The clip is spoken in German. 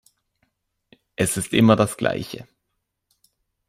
Es ist immer das Gleiche.